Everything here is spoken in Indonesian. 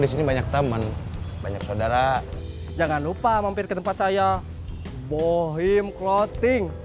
disini banyak temen banyak saudara jangan lupa mampir ke tempat saya bohim clothing